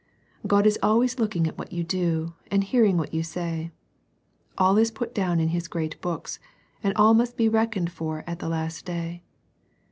God is always looking at what you do, and hearing what you say. All is put down in His great books, and all must be reckoned for at the last day.